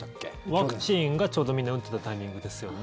ワクチンがちょうどみんな打っていたタイミングですよね。